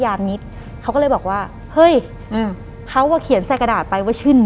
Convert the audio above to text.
หลังจากนั้นเราไม่ได้คุยกันนะคะเดินเข้าบ้านอืม